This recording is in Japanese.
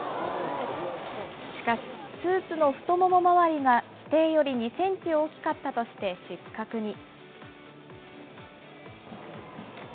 しかし、スーツの太もも周りが規定より２センチ大きかったとして失格に。